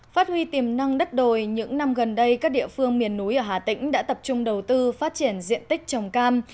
phát huy tiềm năng đất đồi những năm gần đây các địa phương miền núi ở hà tĩnh đã tập trung đầu tư phát triển diện tích trồng cam